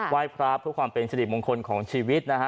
ไว้พระอาทิตย์เพื่อความเป็นสะดิบมงคลของชีวิตนะฮะ